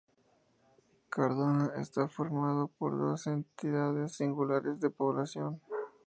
Cardona está formado por dos entidades singulares de población.